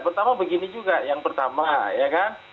pertama begini juga yang pertama ya kan